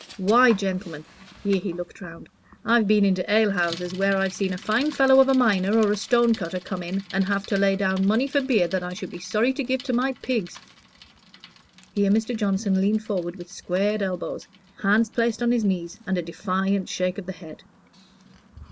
Why, gentlemen" here he looked round "I've been into ale houses where I've seen a fine fellow of a miner or a stone cutter come in and have to lay down money for beer that I should be sorry to give to my pigs!" Here Mr. Johnson leaned forward with squared elbows, hands placed on his knees, and a defiant shake of the head.